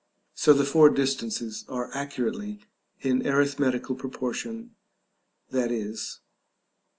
So the four distances are accurately in arithmetical proportion; i.e. Ft. In.